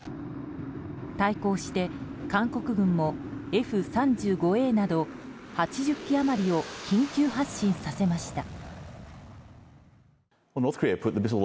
対抗して、韓国軍もＦ３５Ａなど８０機余りを緊急発進させました。